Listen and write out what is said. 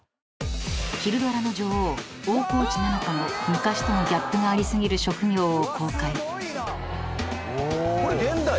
［昼ドラの女王大河内奈々子の昔とのギャップがあり過ぎる職業を公開］